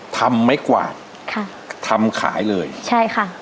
ทำไม้กวาดค่ะทำขายเลยค่ะค่ะคะค่ะ